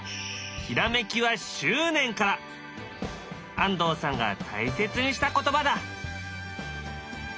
安藤さんが大切にした言葉だ。